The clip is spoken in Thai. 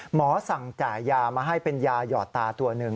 หมอสั่งจ่ายยามาให้เป็นยาหยอดตาตัวหนึ่ง